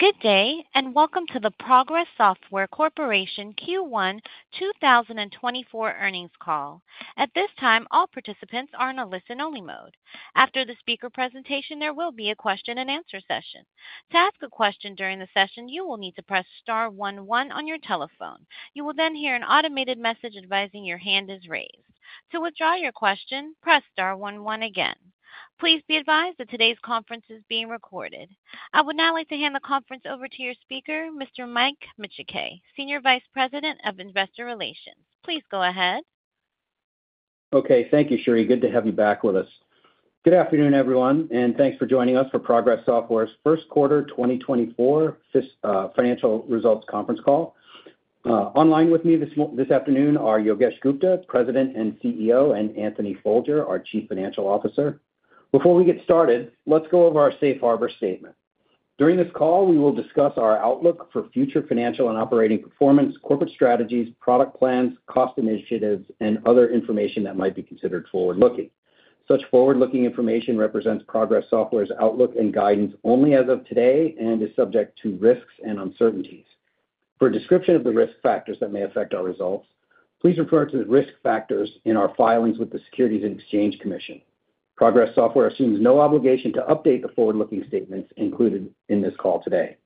Good day and welcome to the Progress Software Corporation Q1 2024 Earnings Call. At this time, all participants are in a listen-only mode. After the speaker presentation, there will be a question-and-answer session. To ask a question during the session, you will need to press star 11 on your telephone. You will then hear an automated message advising your hand is raised. To withdraw your question, press star 11 again. Please be advised that today's conference is being recorded. I would now like to hand the conference over to your speaker, Mr. Mike Micciche, Senior Vice President of Investor Relations. Please go ahead. Okay. Thank you, Sherry. Good to have you back with us. Good afternoon, everyone, and thanks for joining us for Progress Software's first quarter 2024 financial results conference call. Online with me this afternoon are Yogesh Gupta, President and CEO, and Anthony Folger, our Chief Financial Officer. Before we get started, let's go over our Safe Harbor Statement. During this call, we will discuss our outlook for future financial and operating performance, corporate strategies, product plans, cost initiatives, and other information that might be considered forward-looking. Such forward-looking information represents Progress Software's outlook and guidance only as of today and is subject to risks and uncertainties. For a description of the risk factors that may affect our results, please refer to the risk factors in our filings with the Securities and Exchange Commission. Progress Software assumes no obligation to update the forward-looking statements included in this call today.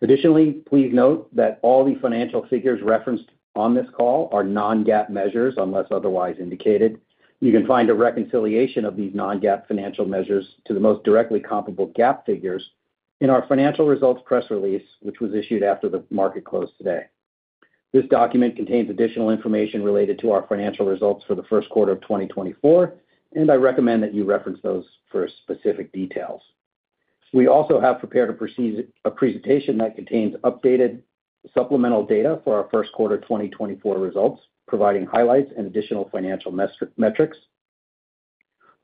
Additionally, please note that all the financial figures referenced on this call are non-GAAP measures unless otherwise indicated. You can find a reconciliation of these non-GAAP financial measures to the most directly comparable GAAP figures in our financial results press release, which was issued after the market closed today. This document contains additional information related to our financial results for the first quarter of 2024, and I recommend that you reference those for specific details. We also have prepared a presentation that contains updated supplemental data for our first quarter 2024 results, providing highlights and additional financial metrics.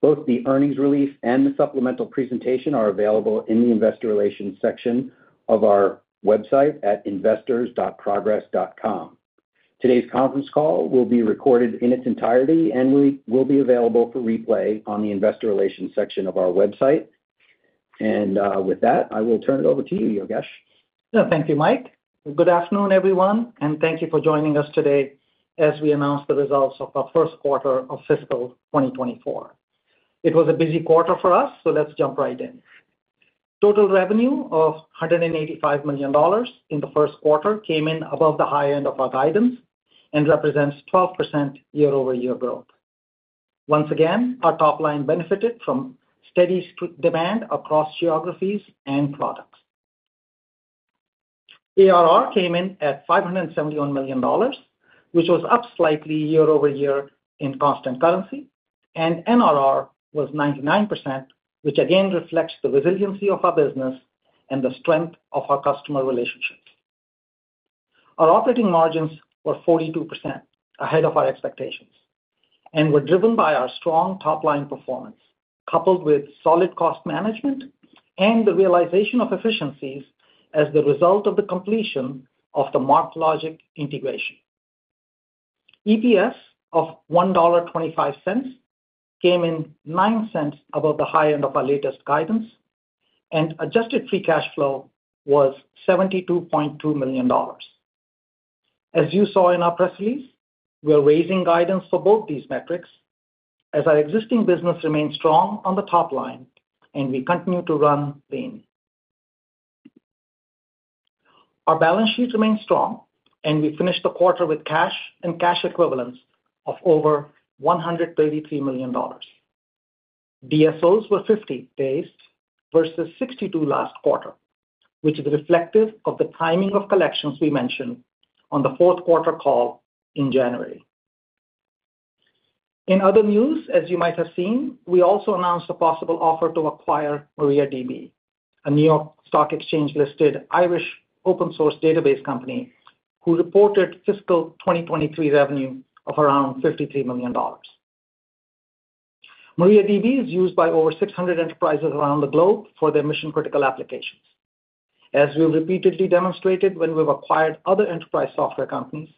Both the earnings release and the supplemental presentation are available in the Investor Relations section of our website at investors.progress.com. Today's conference call will be recorded in its entirety and will be available for replay on the Investor Relations section of our website. With that, I will turn it over to you, Yogesh. Yeah. Thank you, Mike. Good afternoon, everyone, and thank you for joining us today as we announce the results of our first quarter of fiscal 2024. It was a busy quarter for us, so let's jump right in. Total revenue of $185 million in the first quarter came in above the high end of our guidance and represents 12% year-over-year growth. Once again, our top line benefited from steady demand across geographies and products. ARR came in at $571 million, which was up slightly year-over-year in constant currency, and NRR was 99%, which again reflects the resiliency of our business and the strength of our customer relationships. Our operating margins were 42% ahead of our expectations and were driven by our strong top line performance coupled with solid cost management and the realization of efficiencies as the result of the completion of the MarkLogic integration. EPS of $1.25 came in 9 cents above the high end of our latest guidance, and adjusted free cash flow was $72.2 million. As you saw in our press release, we are raising guidance for both these metrics as our existing business remains strong on the top line, and we continue to run lean. Our balance sheet remains strong, and we finished the quarter with cash and cash equivalents of over $133 million. DSOs were 50 days versus 62 last quarter, which is reflective of the timing of collections we mentioned on the fourth quarter call in January. In other news, as you might have seen, we also announced a possible offer to acquire MariaDB, a New York Stock Exchange-listed Irish open-source database company who reported fiscal 2023 revenue of around $53 million. MariaDB is used by over 600 enterprises around the globe for their mission-critical applications. As we've repeatedly demonstrated when we've acquired other enterprise software companies,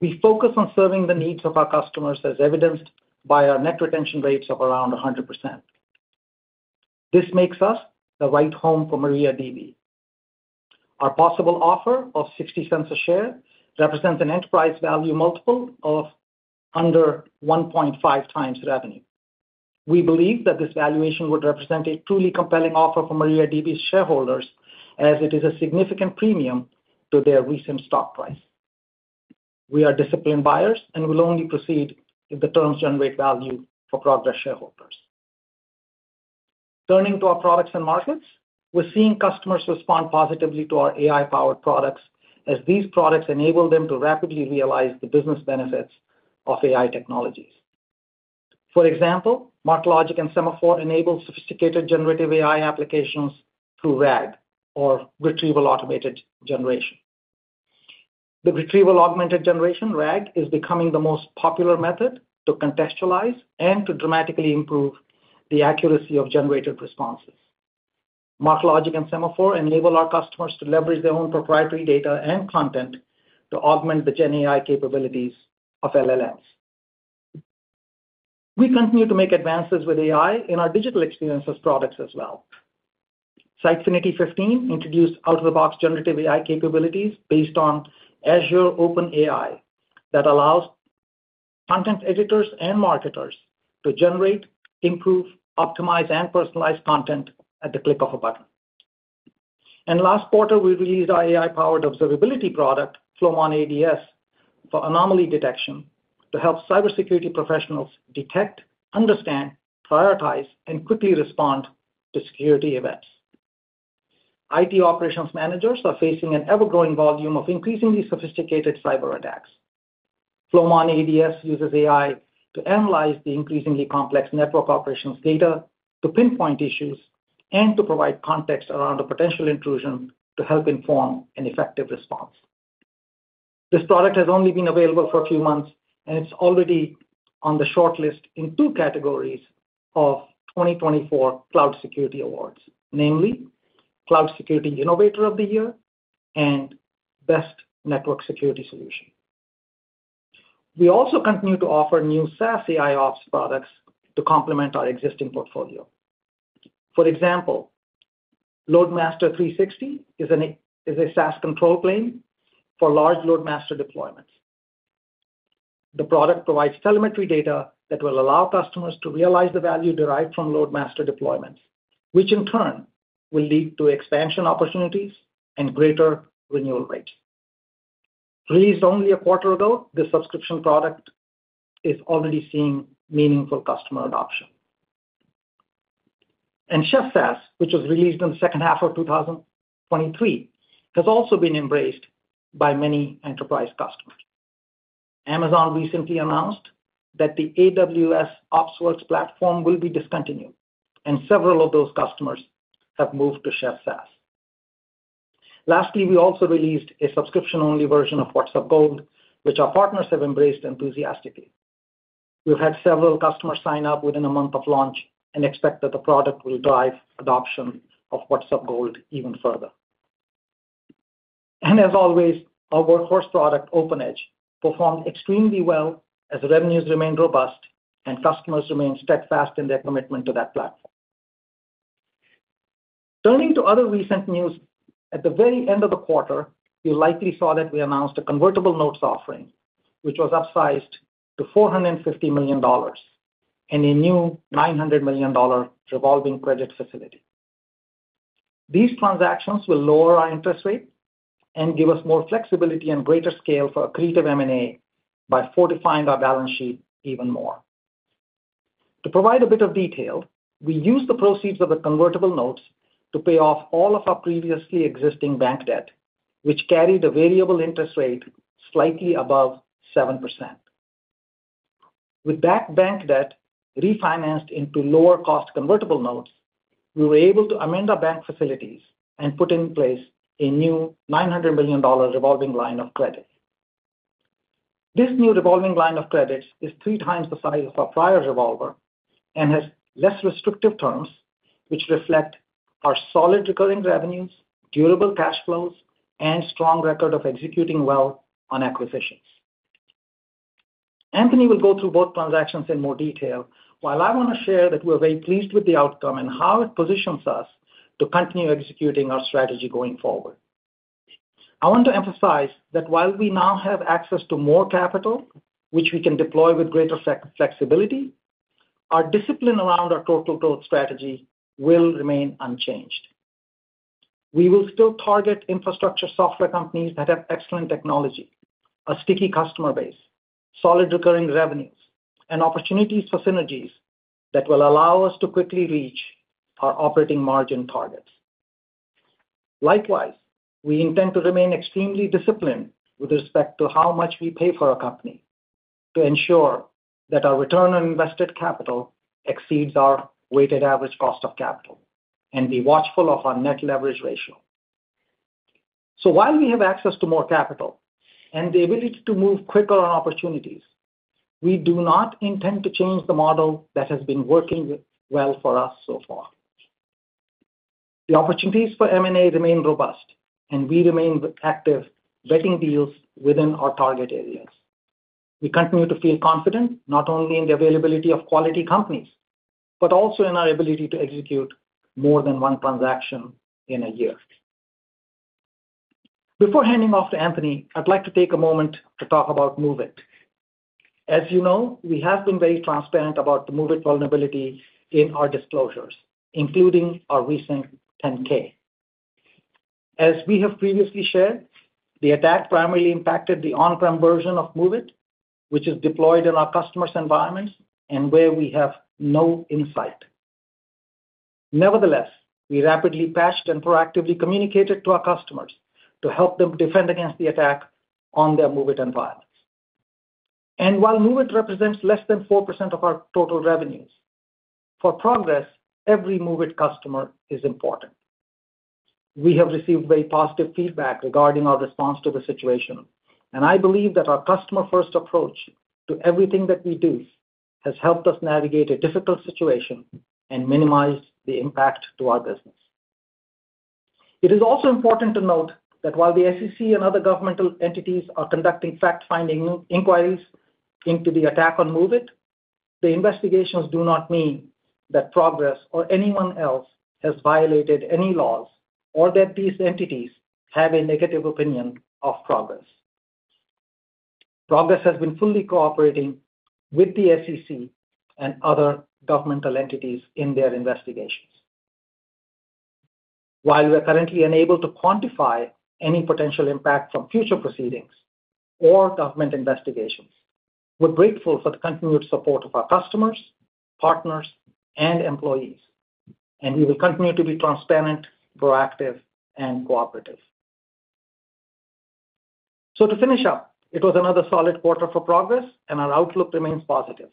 we focus on serving the needs of our customers as evidenced by our net retention rates of around 100%. This makes us the right home for MariaDB. Our possible offer of $0.60 a share represents an enterprise value multiple of under 1.5x revenue. We believe that this valuation would represent a truly compelling offer for MariaDB's shareholders as it is a significant premium to their recent stock price. We are disciplined buyers and will only proceed if the terms generate value for Progress shareholders. Turning to our products and markets, we're seeing customers respond positively to our AI-powered products as these products enable them to rapidly realize the business benefits of AI technologies. For example, MarkLogic and Semaphore enable sophisticated generative AI applications through RAG, or Retrieval-Augmented Generation. The Retrieval-Augmented Generation, RAG, is becoming the most popular method to contextualize and to dramatically improve the accuracy of generated responses. MarkLogic and Semaphore enable our customers to leverage their own proprietary data and content to augment the GenAI capabilities of LLMs. We continue to make advances with AI in our Digital Experience SaaS products as well. Sitefinity 15 introduced out-of-the-box generative AI capabilities based on Azure OpenAI that allows content editors and marketers to generate, improve, optimize, and personalize content at the click of a button. Last quarter, we released our AI-powered observability product, Flowmon ADS, for anomaly detection to help cybersecurity professionals detect, understand, prioritize, and quickly respond to security events. IT operations managers are facing an ever-growing volume of increasingly sophisticated cyberattacks. Flowmon ADS uses AI to analyze the increasingly complex network operations data to pinpoint issues and to provide context around a potential intrusion to help inform an effective response. This product has only been available for a few months, and it's already on the shortlist in two categories of 2024 Cloud Security Awards, namely Cloud Security Innovator of the Year and Best Network Security Solution. We also continue to offer new SaaS AIOps products to complement our existing portfolio. For example, LoadMaster 360 is a SaaS control plane for large LoadMaster deployments. The product provides telemetry data that will allow customers to realize the value derived from LoadMaster deployments, which in turn will lead to expansion opportunities and greater renewal rates. Released only a quarter ago, this subscription product is already seeing meaningful customer adoption. And Chef SaaS, which was released in the second half of 2023, has also been embraced by many enterprise customers. Amazon recently announced that the AWS OpsWorks platform will be discontinued, and several of those customers have moved to Chef SaaS. Lastly, we also released a subscription-only version of WhatsUp Gold, which our partners have embraced enthusiastically. We've had several customers sign up within a month of launch and expect that the product will drive adoption of WhatsUp Gold even further. And as always, our workhorse product, OpenEdge, performed extremely well as revenues remained robust and customers remained steadfast in their commitment to that platform. Turning to other recent news, at the very end of the quarter, you likely saw that we announced a convertible notes offering, which was upsized to $450 million and a new $900 million revolving credit facility. These transactions will lower our interest rate and give us more flexibility and greater scale for accretive M&A by fortifying our balance sheet even more. To provide a bit of detail, we used the proceeds of the convertible notes to pay off all of our previously existing bank debt, which carried a variable interest rate slightly above 7%. With that bank debt refinanced into lower-cost convertible notes, we were able to amend our bank facilities and put in place a new $900 million revolving line of credit. This new revolving line of credit is three times the size of our prior revolver and has less restrictive terms, which reflect our solid recurring revenues, durable cash flows, and strong record of executing well on acquisitions. Anthony will go through both transactions in more detail, while I want to share that we are very pleased with the outcome and how it positions us to continue executing our strategy going forward. I want to emphasize that while we now have access to more capital, which we can deploy with greater flexibility, our discipline around our Total Growth Strategy will remain unchanged. We will still target infrastructure software companies that have excellent technology, a sticky customer base, solid recurring revenues, and opportunities for synergies that will allow us to quickly reach our operating margin targets. Likewise, we intend to remain extremely disciplined with respect to how much we pay for a company to ensure that our return on invested capital exceeds our weighted average cost of capital and be watchful of our net leverage ratio. So while we have access to more capital and the ability to move quicker on opportunities, we do not intend to change the model that has been working well for us so far. The opportunities for M&A remain robust, and we remain active vetting deals within our target areas. We continue to feel confident not only in the availability of quality companies but also in our ability to execute more than one transaction in a year. Before handing off to Anthony, I'd like to take a moment to talk about MOVEit. As you know, we have been very transparent about the MOVEit vulnerability in our disclosures, including our recent 10-K. As we have previously shared, the attack primarily impacted the on-prem version of MOVEit, which is deployed in our customers' environments and where we have no insight. Nevertheless, we rapidly patched and proactively communicated to our customers to help them defend against the attack on their MOVEit environments. And while MOVEit represents less than 4% of our total revenues, for Progress, every MOVEit customer is important. We have received very positive feedback regarding our response to the situation, and I believe that our customer-first approach to everything that we do has helped us navigate a difficult situation and minimized the impact to our business. It is also important to note that while the SEC and other governmental entities are conducting fact-finding inquiries into the attack on MOVEit, the investigations do not mean that Progress or anyone else has violated any laws or that these entities have a negative opinion of Progress. Progress has been fully cooperating with the SEC and other governmental entities in their investigations. While we are currently unable to quantify any potential impact from future proceedings or government investigations, we're grateful for the continued support of our customers, partners, and employees. We will continue to be transparent, proactive, and cooperative. To finish up, it was another solid quarter for Progress, and our outlook remains positive.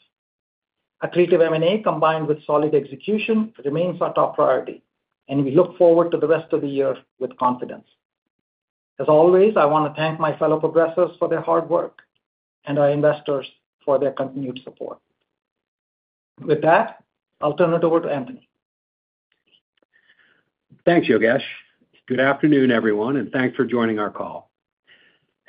Accretive M&A combined with solid execution remains our top priority, and we look forward to the rest of the year with confidence. As always, I want to thank my fellow Progressors for their hard work and our investors for their continued support. With that, I'll turn it over to Anthony. Thanks, Yogesh. Good afternoon, everyone, and thanks for joining our call.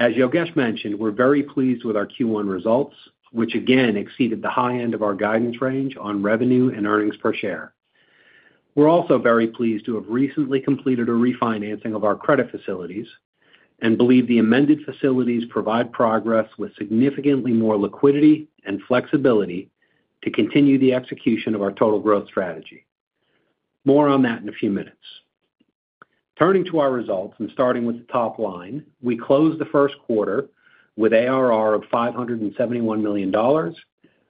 As Yogesh mentioned, we're very pleased with our Q1 results, which again exceeded the high end of our guidance range on revenue and earnings per share. We're also very pleased to have recently completed a refinancing of our credit facilities and believe the amended facilities provide Progress with significantly more liquidity and flexibility to continue the execution of our Total Growth Strategy. More on that in a few minutes. Turning to our results and starting with the top line, we closed the first quarter with ARR of $571 million,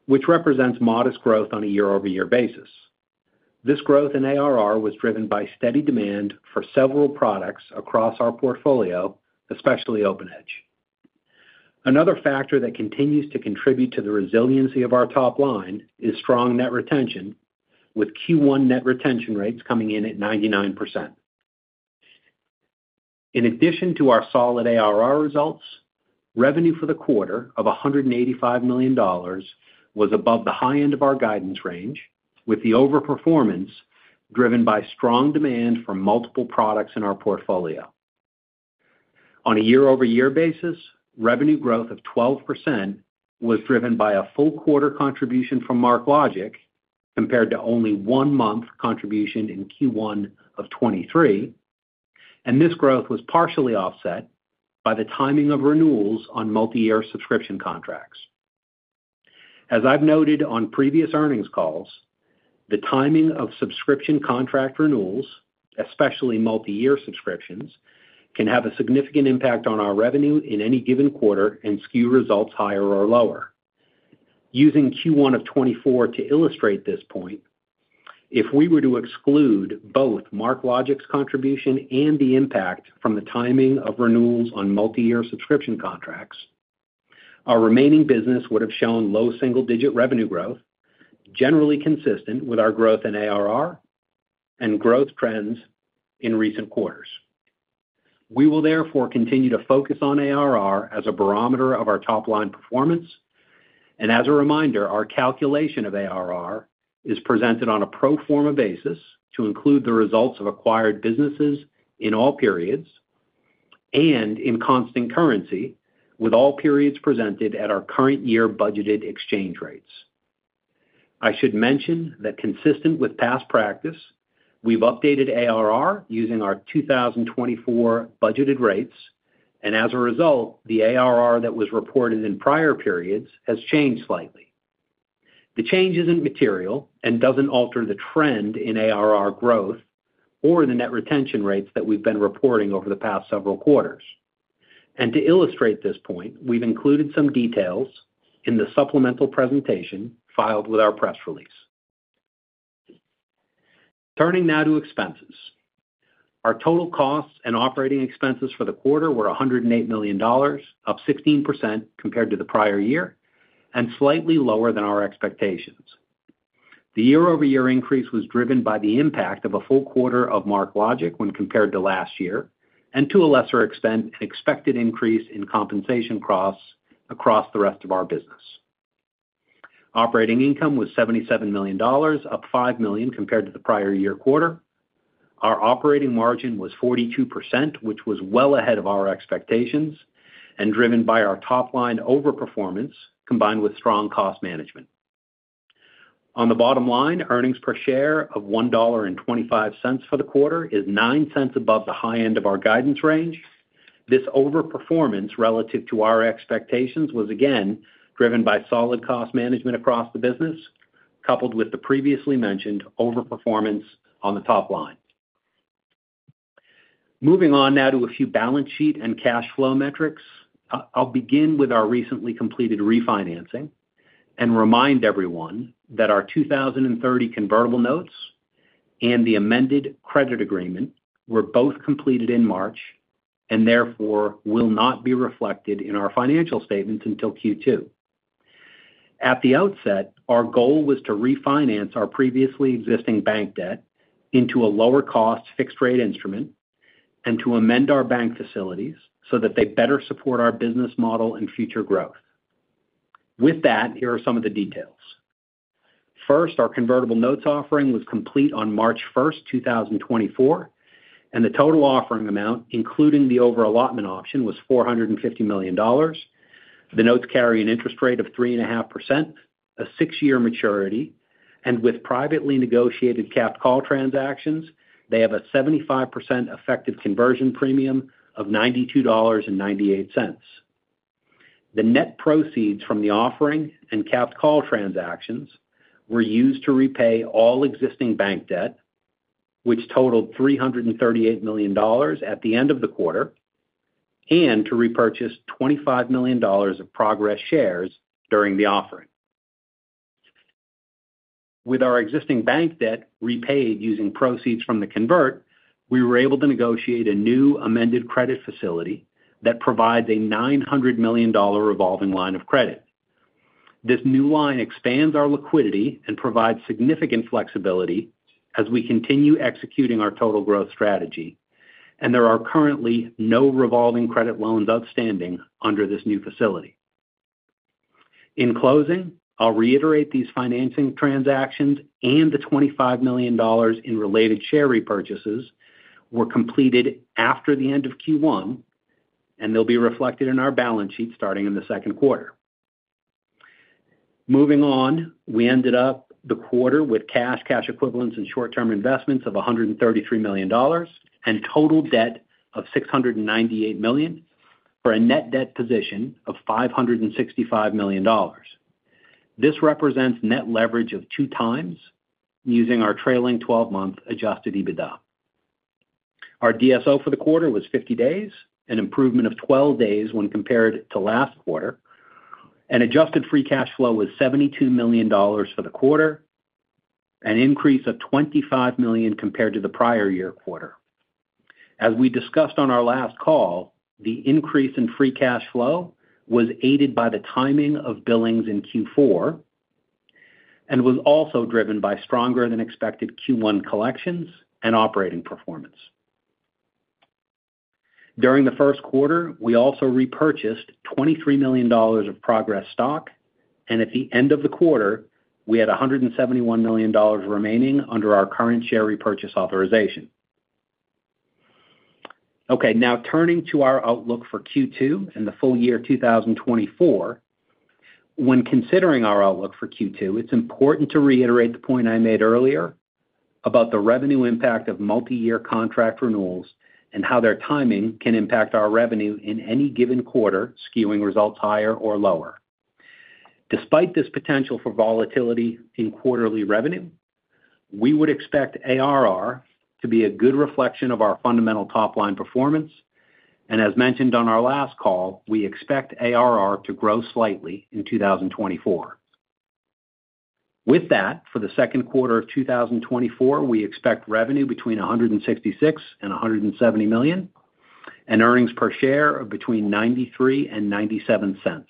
which represents modest growth on a year-over-year basis. This growth in ARR was driven by steady demand for several products across our portfolio, especially OpenEdge. Another factor that continues to contribute to the resiliency of our top line is strong net retention, with Q1 net retention rates coming in at 99%. In addition to our solid ARR results, revenue for the quarter of $185 million was above the high end of our guidance range, with the overperformance driven by strong demand for multiple products in our portfolio. On a year-over-year basis, revenue growth of 12% was driven by a full quarter contribution from MarkLogic compared to only one-month contribution in Q1 of 2023. And this growth was partially offset by the timing of renewals on multi-year subscription contracts. As I've noted on previous earnings calls, the timing of subscription contract renewals, especially multi-year subscriptions, can have a significant impact on our revenue in any given quarter and skew results higher or lower. Using Q1 of 2024 to illustrate this point, if we were to exclude both MarkLogic's contribution and the impact from the timing of renewals on multi-year subscription contracts, our remaining business would have shown low single-digit revenue growth, generally consistent with our growth in ARR and growth trends in recent quarters. We will therefore continue to focus on ARR as a barometer of our top-line performance. As a reminder, our calculation of ARR is presented on a pro forma basis to include the results of acquired businesses in all periods and in constant currency with all periods presented at our current year budgeted exchange rates. I should mention that consistent with past practice, we've updated ARR using our 2024 budgeted rates. As a result, the ARR that was reported in prior periods has changed slightly. The change isn't material and doesn't alter the trend in ARR growth or the net retention rates that we've been reporting over the past several quarters. To illustrate this point, we've included some details in the supplemental presentation filed with our press release. Turning now to expenses. Our total costs and operating expenses for the quarter were $108 million, up 16% compared to the prior year and slightly lower than our expectations. The year-over-year increase was driven by the impact of a full quarter of MarkLogic when compared to last year and to a lesser extent an expected increase in compensation costs across the rest of our business. Operating income was $77 million, up $5 million compared to the prior year quarter. Our operating margin was 42%, which was well ahead of our expectations and driven by our top-line overperformance combined with strong cost management. On the bottom line, earnings per share of $1.25 for the quarter is $0.09 above the high end of our guidance range. This overperformance relative to our expectations was again driven by solid cost management across the business coupled with the previously mentioned overperformance on the top line. Moving on now to a few balance sheet and cash flow metrics, I'll begin with our recently completed refinancing and remind everyone that our 2030 convertible notes and the amended credit agreement were both completed in March and therefore will not be reflected in our financial statements until Q2. At the outset, our goal was to refinance our previously existing bank debt into a lower-cost fixed-rate instrument and to amend our bank facilities so that they better support our business model and future growth. With that, here are some of the details. First, our convertible notes offering was complete on March 1st, 2024. The total offering amount, including the over-allotment option, was $450 million. The notes carry an interest rate of 3.5%, a six-year maturity. With privately negotiated capped call transactions, they have a 75% effective conversion premium of $92.98. The net proceeds from the offering and capped call transactions were used to repay all existing bank debt, which totaled $338 million at the end of the quarter, and to repurchase $25 million of Progress shares during the offering. With our existing bank debt repaid using proceeds from the convert, we were able to negotiate a new amended credit facility that provides a $900 million revolving line of credit. This new line expands our liquidity and provides significant flexibility as we continue executing our Total Growth Strategy. There are currently no revolving credit loans outstanding under this new facility. In closing, I'll reiterate these financing transactions and the $25 million in related share repurchases were completed after the end of Q1, and they'll be reflected in our balance sheet starting in the second quarter. Moving on, we ended up the quarter with cash, cash equivalents, and short-term investments of $133 million and total debt of $698 million for a net debt position of $565 million. This represents net leverage of 2x using our trailing 12-month Adjusted EBITDA. Our DSO for the quarter was 50 days, an improvement of 12 days when compared to last quarter. Adjusted free cash flow was $72 million for the quarter, an increase of $25 million compared to the prior year quarter. As we discussed on our last call, the increase in free cash flow was aided by the timing of billings in Q4 and was also driven by stronger-than-expected Q1 collections and operating performance. During the first quarter, we also repurchased $23 million of Progress stock. At the end of the quarter, we had $171 million remaining under our current share repurchase authorization. Okay. Now, turning to our outlook for Q2 and the full year 2024, when considering our outlook for Q2, it's important to reiterate the point I made earlier about the revenue impact of multi-year contract renewals and how their timing can impact our revenue in any given quarter, skewing results higher or lower. Despite this potential for volatility in quarterly revenue, we would expect ARR to be a good reflection of our fundamental top-line performance. As mentioned on our last call, we expect ARR to grow slightly in 2024. With that, for the second quarter of 2024, we expect revenue between $166-$170 million and earnings per share of between $0.93-$0.97.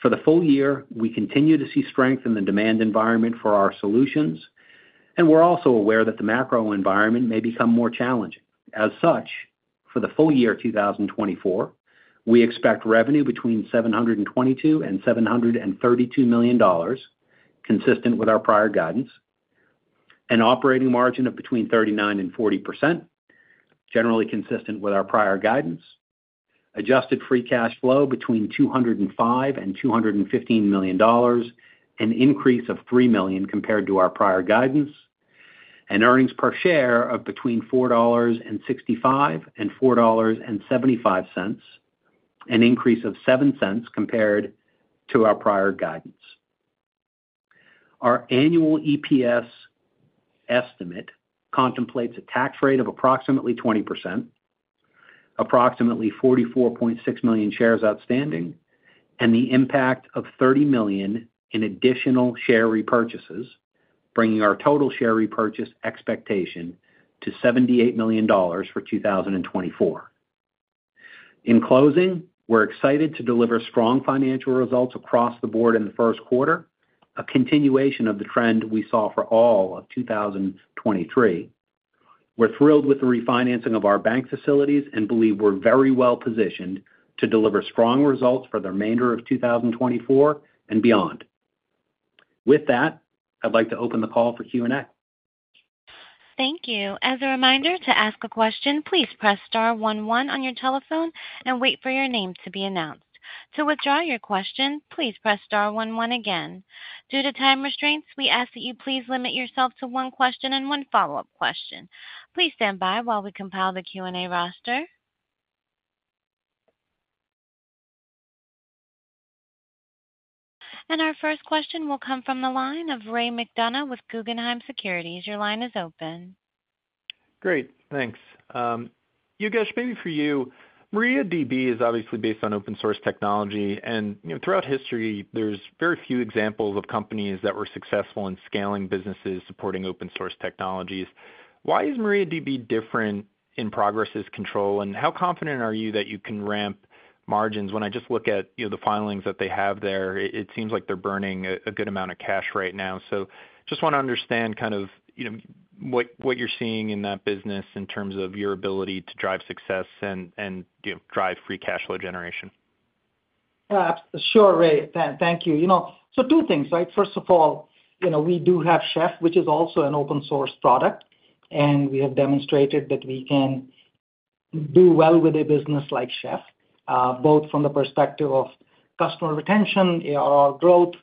For the full year, we continue to see strength in the demand environment for our solutions. We're also aware that the macro environment may become more challenging. As such, for the full year 2024, we expect revenue between $722-$732 million, consistent with our prior guidance, an operating margin of between 39%-40%, generally consistent with our prior guidance, adjusted free cash flow between $205-$215 million, an increase of $3 million compared to our prior guidance, and earnings per share of between $4.65-$4.75, an increase of $0.07 compared to our prior guidance. Our annual EPS estimate contemplates a tax rate of approximately 20%, approximately 44.6 million shares outstanding, and the impact of $30 million in additional share repurchases, bringing our total share repurchase expectation to $78 million for 2024. In closing, we're excited to deliver strong financial results across the board in the first quarter, a continuation of the trend we saw for all of 2023. We're thrilled with the refinancing of our bank facilities and believe we're very well positioned to deliver strong results for the remainder of 2024 and beyond. With that, I'd like to open the call for Q&A. Thank you. As a reminder, to ask a question, please press star 11 on your telephone and wait for your name to be announced. To withdraw your question, please press star 11 again. Due to time restraints, we ask that you please limit yourself to one question and one follow-up question. Please stand by while we compile the Q&A roster. Our first question will come from the line of Ray McDonough with Guggenheim Securities. Your line is open. Great. Thanks. Yogesh, maybe for you. MariaDB is obviously based on open-source technology. And throughout history, there's very few examples of companies that were successful in scaling businesses supporting open-source technologies. Why is MariaDB different in Progress's control? And how confident are you that you can ramp margins? When I just look at the filings that they have there, it seems like they're burning a good amount of cash right now. So just want to understand kind of what you're seeing in that business in terms of your ability to drive success and drive free cash flow generation. Sure, Ray. Thank you. So two things, right? First of all, we do have Chef, which is also an open-source product. And we have demonstrated that we can do well with a business like Chef, both from the perspective of customer retention, ARR growth,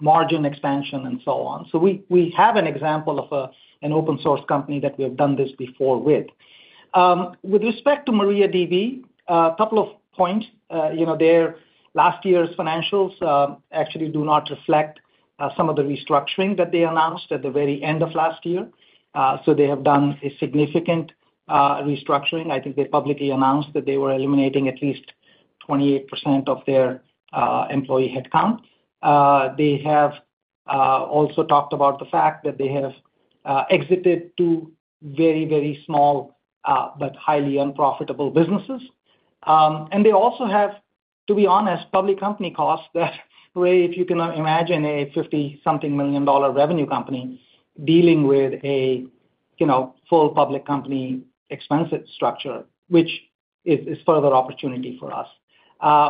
margin expansion, and so on. So we have an example of an open-source company that we have done this before with. With respect to MariaDB, a couple of points. Their last year's financials actually do not reflect some of the restructuring that they announced at the very end of last year. So they have done a significant restructuring. I think they publicly announced that they were eliminating at least 28% of their employee headcount. They have also talked about the fact that they have exited two very, very small but highly unprofitable businesses. They also have, to be honest, public company costs that, Ray, if you can imagine a $50-something million revenue company dealing with a full public company expensive structure, which is further opportunity for us.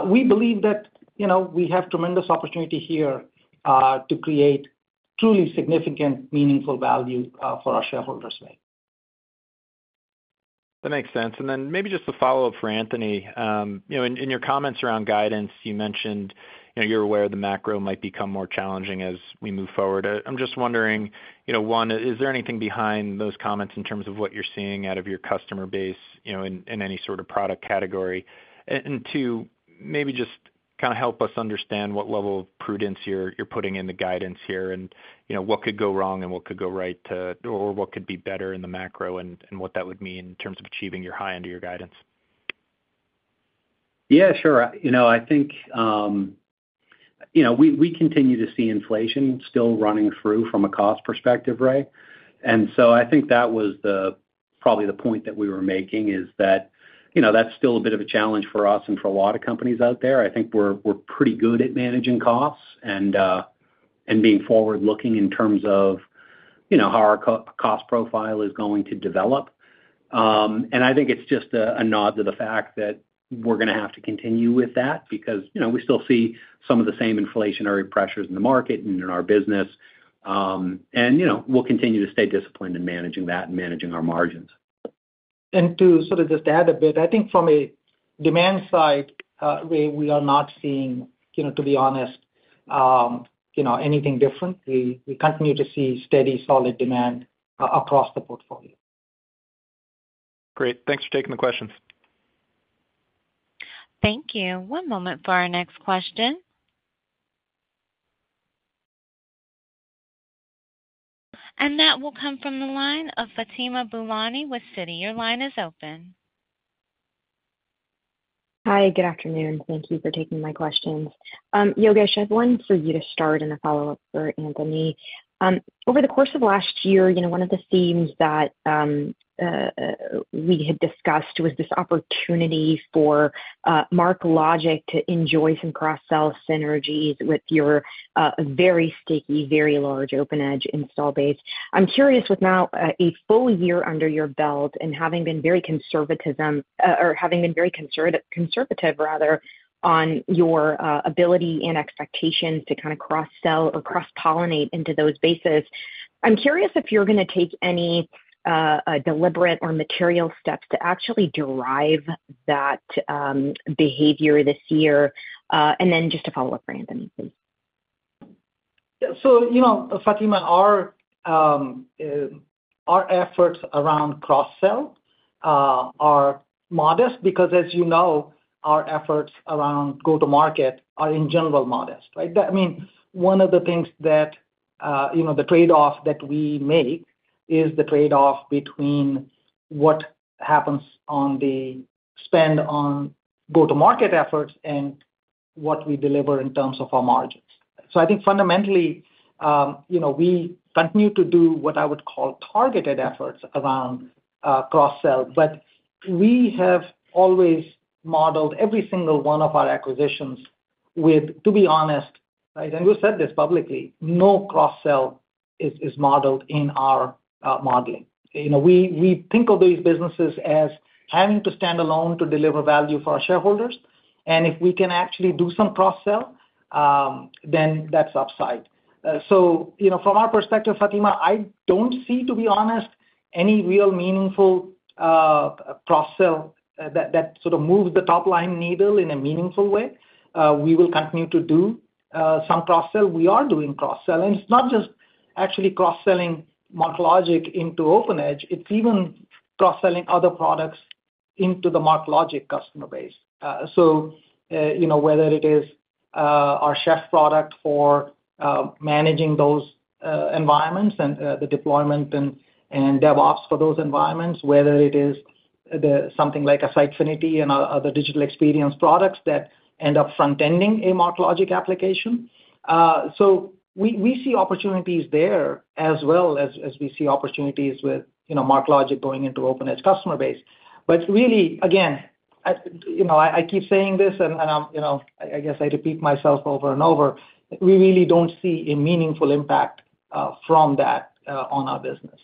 We believe that we have tremendous opportunity here to create truly significant, meaningful value for our shareholders, Ray. That makes sense. And then maybe just a follow-up for Anthony. In your comments around guidance, you mentioned you're aware the macro might become more challenging as we move forward. I'm just wondering, one, is there anything behind those comments in terms of what you're seeing out of your customer base in any sort of product category? And two, maybe just kind of help us understand what level of prudence you're putting in the guidance here and what could go wrong and what could go right or what could be better in the macro and what that would mean in terms of achieving your high under your guidance? Yeah, sure. I think we continue to see inflation still running through from a cost perspective, Ray. And so I think that was probably the point that we were making is that that's still a bit of a challenge for us and for a lot of companies out there. I think we're pretty good at managing costs and being forward-looking in terms of how our cost profile is going to develop. And I think it's just a nod to the fact that we're going to have to continue with that because we still see some of the same inflationary pressures in the market and in our business. And we'll continue to stay disciplined in managing that and managing our margins. And to sort of just add a bit, I think from a demand side, Ray, we are not seeing, to be honest, anything different. We continue to see steady, solid demand across the portfolio. Great. Thanks for taking the questions. Thank you. One moment for our next question. That will come from the line of Fatima Boolani with Citi. Your line is open. Hi. Good afternoon. Thank you for taking my questions. Yogesh, I have one for you to start and a follow-up for Anthony. Over the course of last year, one of the themes that we had discussed was this opportunity for MarkLogic to enjoy some cross-sell synergies with your very sticky, very large OpenEdge install base. I'm curious, with now a full year under your belt and having been very conservative or having been very conservative, rather, on your ability and expectations to kind of cross-sell or cross-pollinate into those bases, I'm curious if you're going to take any deliberate or material steps to actually derive that behavior this year. And then just a follow-up for Anthony, please. Yeah. So Fatima, our efforts around cross-sell are modest because, as you know, our efforts around go-to-market are, in general, modest, right? I mean, one of the things that the trade-off that we make is the trade-off between what happens on the spend on go-to-market efforts and what we deliver in terms of our margins. So I think, fundamentally, we continue to do what I would call targeted efforts around cross-sell. But we have always modeled every single one of our acquisitions with, to be honest, right? And we've said this publicly, no cross-sell is modeled in our modeling. We think of these businesses as having to stand alone to deliver value for our shareholders. And if we can actually do some cross-sell, then that's upside. So from our perspective, Fatima, I don't see, to be honest, any real meaningful cross-sell that sort of moves the top-line needle in a meaningful way. We will continue to do some cross-sell. We are doing cross-sell. And it's not just actually cross-selling MarkLogic into OpenEdge. It's even cross-selling other products into the MarkLogic customer base. So whether it is our Chef product for managing those environments and the deployment and DevOps for those environments, whether it is something like a Sitefinity and other Digital Experience products that end up front-ending a MarkLogic application. So we see opportunities there as well as we see opportunities with MarkLogic going into OpenEdge customer base. But really, again, I keep saying this, and I guess I repeat myself over and over, we really don't see a meaningful impact from that on our business.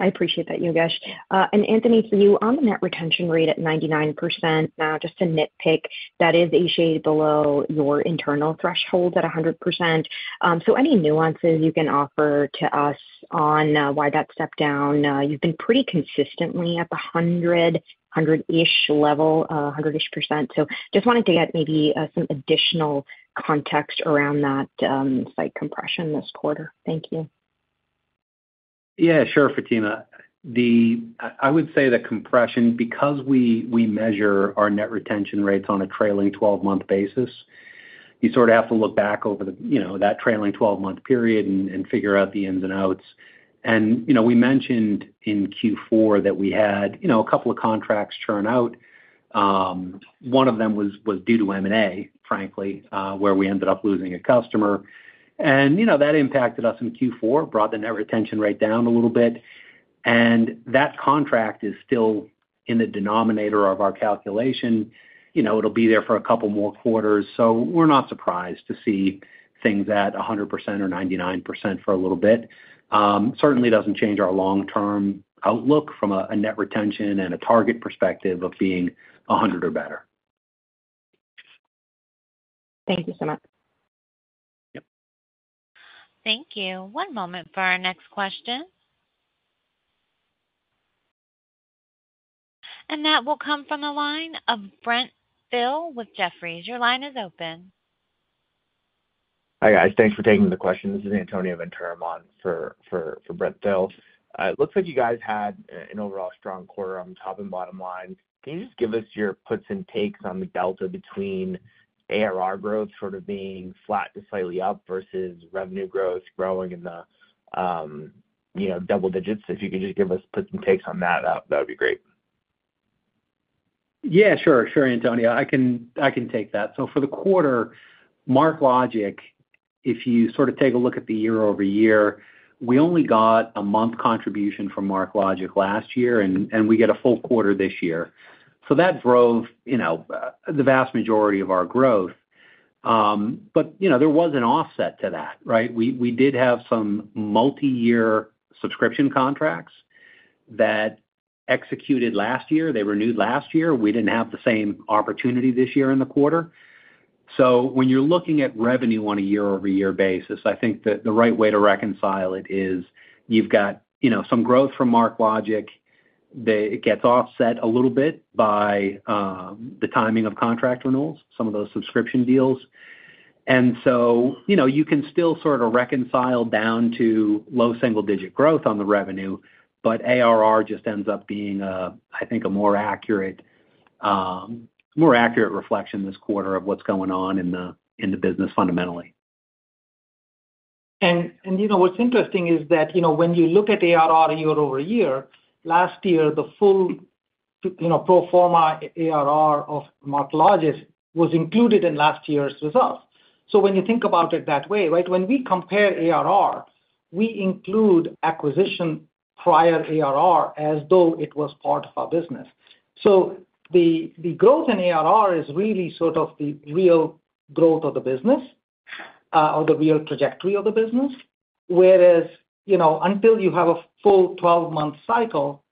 I appreciate that, Yogesh. And Anthony, for you, on the net retention rate at 99%, now, just to nitpick, that is a shade below your internal threshold at 100%. So any nuances you can offer to us on why that stepped down, you've been pretty consistently at the 100-ish level, 100-ish%. So just wanted to get maybe some additional context around that slight compression this quarter. Thank you. Yeah, sure, Fatima. I would say the compression, because we measure our net retention rates on a trailing 12-month basis, you sort of have to look back over that trailing 12-month period and figure out the ins and outs. And we mentioned in Q4 that we had a couple of contracts churn out. One of them was due to M&A, frankly, where we ended up losing a customer. And that impacted us in Q4, brought the net retention rate down a little bit. And that contract is still in the denominator of our calculation. It'll be there for a couple more quarters. So we're not surprised to see things at 100% or 99% for a little bit. Certainly doesn't change our long-term outlook from a net retention and a target perspective of being 100 or better. Thank you so much. Yep. Thank you. One moment for our next question. That will come from the line of Brent Thill with Jefferies. Your line is open. Hi, guys. Thanks for taking the question. This is Antonio Venturini for Brent Thill. It looks like you guys had an overall strong quarter on top and bottom line. Can you just give us your puts and takes on the delta between ARR growth sort of being flat to slightly up versus revenue growth growing in the double digits? If you could just give us puts and takes on that, that would be great. Yeah, sure. Sure, Antonio. I can take that. So for the quarter, MarkLogic, if you sort of take a look at the year-over-year, we only got a month contribution from MarkLogic last year, and we get a full quarter this year. So that drove the vast majority of our growth. But there was an offset to that, right? We did have some multi-year subscription contracts that executed last year. They renewed last year. We didn't have the same opportunity this year in the quarter. So when you're looking at revenue on a year-over-year basis, I think that the right way to reconcile it is you've got some growth from MarkLogic. It gets offset a little bit by the timing of contract renewals, some of those subscription deals. And so you can still sort of reconcile down to low single-digit growth on the revenue. But ARR just ends up being, I think, a more accurate reflection this quarter of what's going on in the business fundamentally. And what's interesting is that when you look at ARR year-over-year, last year, the full pro forma ARR of MarkLogic was included in last year's results. So when you think about it that way, right, when we compare ARR, we include acquisition prior ARR as though it was part of our business. So the growth in ARR is really sort of the real growth of the business or the real trajectory of the business. Whereas until you have a full 12-month cycle,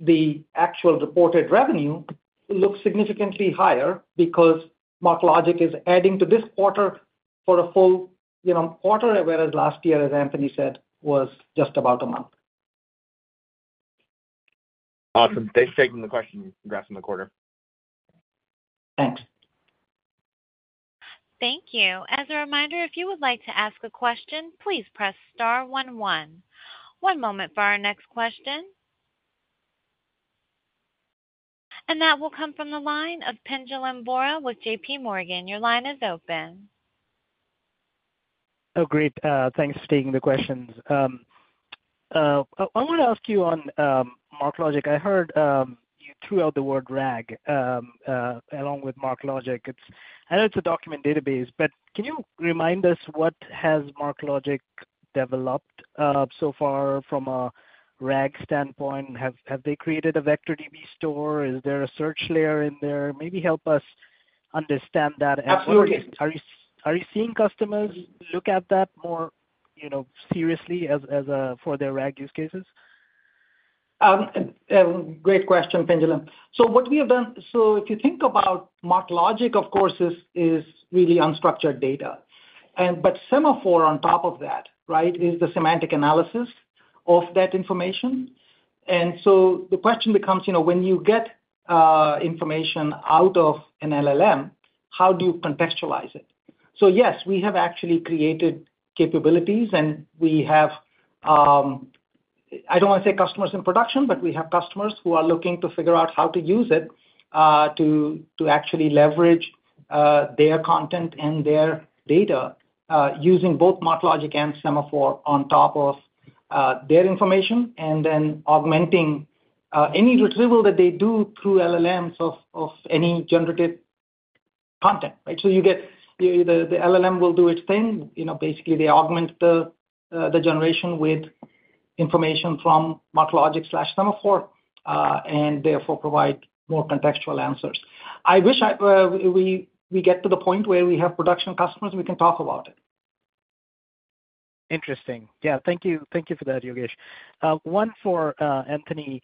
the actual reported revenue looks significantly higher because MarkLogic is adding to this quarter for a full quarter, whereas last year, as Anthony said, was just about a month. Awesome. Thanks for taking the question. Congrats on the quarter. Thanks. Thank you. As a reminder, if you would like to ask a question, please press star 11. One moment for our next question. That will come from the line of Pinjalim Bora with J.P. Morgan. Your line is open. Oh, great. Thanks for taking the questions. I want to ask you on MarkLogic. I heard you threw out the word RAG along with MarkLogic. I know it's a document database, but can you remind us what has MarkLogic developed so far from a RAG standpoint? Have they created a vector DB store? Is there a search layer in there? Maybe help us understand that as well. Absolutely. Are you seeing customers look at that more seriously for their RAG use cases? Great question, Pinjalim. So what we have done so if you think about MarkLogic, of course, is really unstructured data. But Semaphore on top of that, right, is the semantic analysis of that information. And so the question becomes, when you get information out of an LLM, how do you contextualize it? So yes, we have actually created capabilities. And we have I don't want to say customers in production, but we have customers who are looking to figure out how to use it to actually leverage their content and their data using both MarkLogic and Semaphore on top of their information and then augmenting any retrieval that they do through LLMs of any generative content, right? So you get the LLM will do its thing. Basically, they augment the generation with information from MarkLogic/Semaphore and therefore provide more contextual answers. I wish we get to the point where we have production customers, and we can talk about it. Interesting. Yeah. Thank you. Thank you for that, Yogesh. One for Anthony.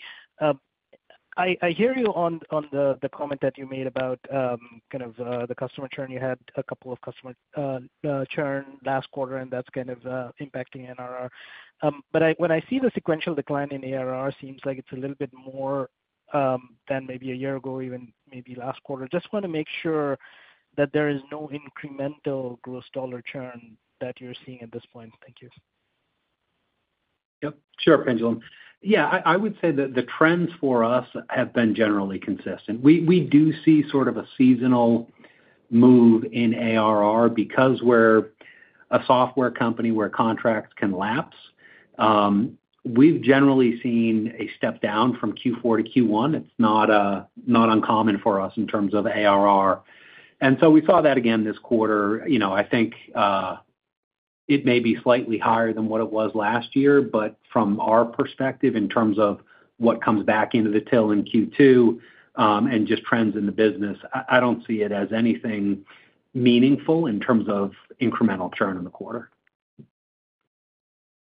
I hear you on the comment that you made about kind of the customer churn. You had a couple of customer churn last quarter, and that's kind of impacting NRR. But when I see the sequential decline in ARR, it seems like it's a little bit more than maybe a year ago, even maybe last quarter. Just want to make sure that there is no incremental gross dollar churn that you're seeing at this point. Thank you. Yep. Sure, Pinjalim. Yeah, I would say that the trends for us have been generally consistent. We do see sort of a seasonal move in ARR because we're a software company where contracts can lapse. We've generally seen a step down from Q4 to Q1. It's not uncommon for us in terms of ARR. And so we saw that again this quarter. I think it may be slightly higher than what it was last year. But from our perspective, in terms of what comes back into the till in Q2 and just trends in the business, I don't see it as anything meaningful in terms of incremental churn in the quarter.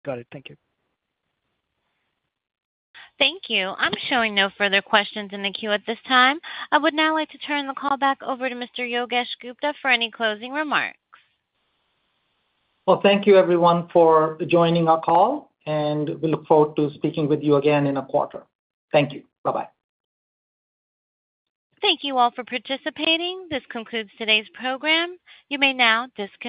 Got it. Thank you. Thank you. I'm showing no further questions in the queue at this time. I would now like to turn the call back over to Mr. Yogesh Gupta for any closing remarks. Well, thank you, everyone, for joining our call. We look forward to speaking with you again in a quarter. Thank you. Bye-bye. Thank you all for participating. This concludes today's program. You may now disconnect.